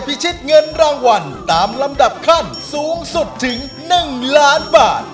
เพื่อจะพิชิตเงินรางวัลตามลำดับขั้นสูงสุดถึงหมดสิบแค่แรงเป้าที่ประโยชน์